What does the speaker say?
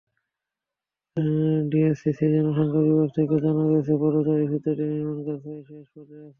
ডিএসসিসির জনসংযোগ বিভাগ থেকে জানা গেছে, পদচারী-সেতুটির নির্মাণকাজ প্রায় শেষ পর্যায়ে আছে।